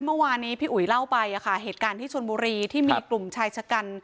เมื่อวานนี้พี่อุ๋ยเล่าไปเหตุการณ์ที่ชนบุรีที่มีกลุ่มชายชะกัน